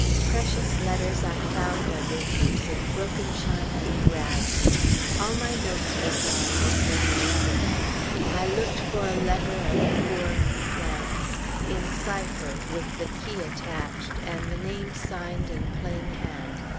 Precious letters I found under heaps of broken china and rags; all my notes were gone, with many letters. I looked for a letter of poor , in cipher, with the key attached, and name signed in plain hand.